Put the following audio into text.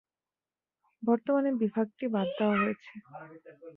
বর্তমানে বিভাগটি বাদ দেওয়া হয়েছে।